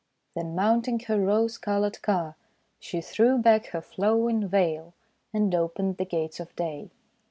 Then mounting her .rose colored car she threw back her flowing veil and opened the Gates of Day.